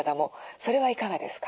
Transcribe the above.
それはいかがですか？